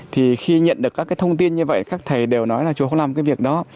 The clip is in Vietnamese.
thì khi nhận được các cái thông tin như vậy các thầy đều nói là trường không làm cái việc đó